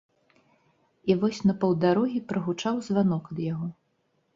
І вось на паўдарогі прагучаў званок ад яго.